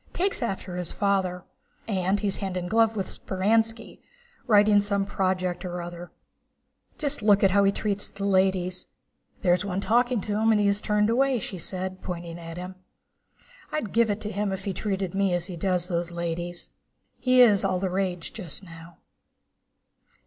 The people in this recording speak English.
Takes after his father. And he's hand in glove with Speránski, writing some project or other. Just look how he treats the ladies! There's one talking to him and he has turned away," she said, pointing at him. "I'd give it to him if he treated me as he does those ladies." * "He is all the rage just now."